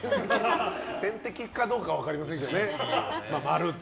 天敵かどうかは分かりませんけど○と。